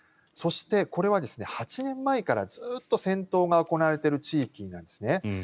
そしてこれは８年前からずっと戦闘が行われている地域なんですね。